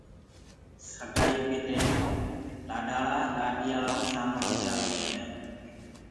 سگآيو ڪي ٽيم لآڏيٚ لآڏآݪآ آيڪا دو ڪوُ شآنو ڪو پيالو بي ديندآ هينٚ۔